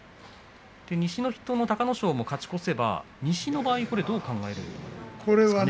西の筆頭の隆の勝も勝ち越せば西の場合はどう考えればいいんですかね。